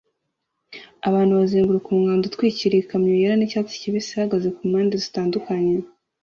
Abantu bazenguruka umwanda utwikiriye ikamyo yera nicyatsi kibisi ihagaze kumpande zitandukanye